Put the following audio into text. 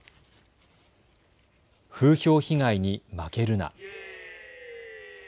風評被害に負けるな。